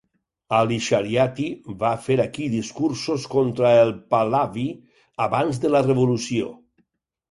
Ali Shariati va fer aquí discursos contra el pahlavi abans de la revolució.